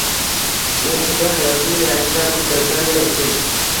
U xuddi hayotini yangidan boshlayotganday edi.